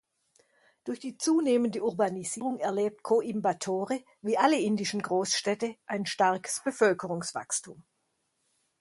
Durch die zunehmende Urbanisierung erlebt Coimbatore, wie alle indischen Großstädte, ein starkes Bevölkerungswachstum.